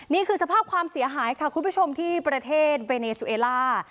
นี่คือสภาพความเสียหายค่ะคุณผู้ชมที่ประเทศเวเนซูเอล่า